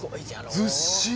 ずっしり。